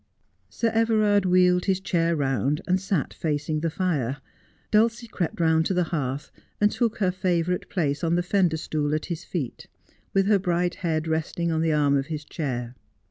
Sir Everard wheeled his chair round, and sat facing the fire ; Dulcie crept round to the hearth, and took her favourite place on the fender stool at his feet, with her bright head resting on the arm of his chair.